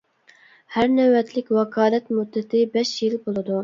ھەر نۆۋەتلىك ۋاكالەت مۇددىتى بەش يىل بولىدۇ.